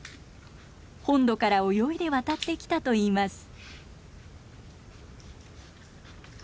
本土から泳いで渡ってきたといいます。